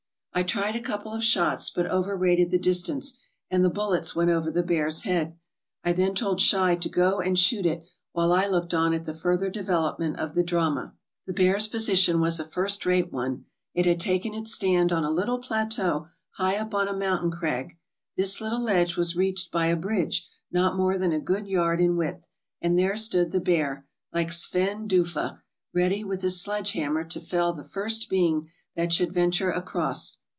I tried a couple of shots, but overrated the distance, and the bullets went over the bear's head. I then told Schei to go and shoot it while I looked on at the further development of the drama. " The bear's position was a first rate one. It had taken its stand on a little plateau high up on a mountain crag; this little ledge was reached by a bridge not more than a good yard in width, and there stood the bear, like Sven Dufva, ready with his sledge hammer to fell the first being that should venture across.